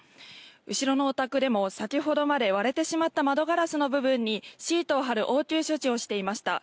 後ろのお宅でも先ほどまで割れてしまった窓ガラスの部分にシートを張る応急処置をしていました。